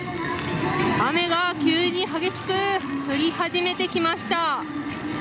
雨が急に激しく降り始めてきました。